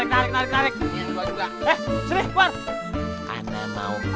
eh jangan narik narik